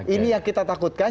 ini yang kita takutkan